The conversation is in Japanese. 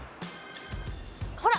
ほら！